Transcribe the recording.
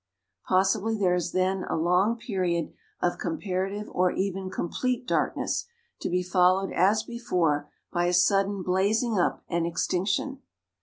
Possibly there is then a long period of comparative or even complete darkness, to be followed as before by a sudden blazing up and extinction.